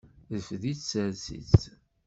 Rfed-itt, sers-itt.